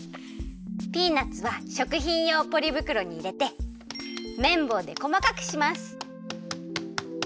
ピーナツはしょくひんようポリぶくろにいれてめんぼうでこまかくします。